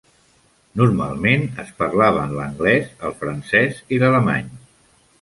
Normalment es parlaven l'anglès, el francès i l'alemany.